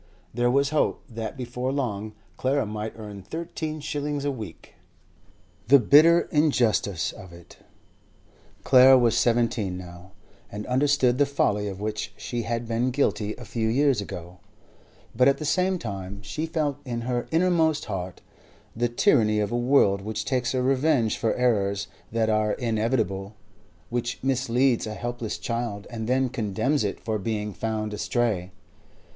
There was hope that before long Clara might earn thirteen shillings a week. The bitter injustice of it! Clara was seventeen now, and understood the folly of which she had been guilty a few years ago, but at the same time she felt in her inmost heart the tyranny of a world which takes revenge for errors that are inevitable, which misleads a helpless child and then condemns it for being found astray.